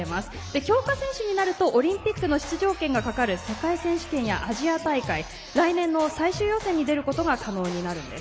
強化選手になるとオリンピックの出場権がかかる世界選手権や、アジア大会来年の最終予選に出ることが可能になります。